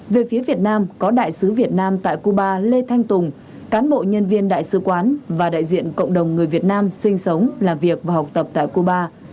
về phía việt nam có đại sứ việt nam tại cuba lê thanh tùng cán bộ nhân viên đại sứ quán và đại diện cộng đồng người việt nam sinh sống làm việc và học tập tại cuba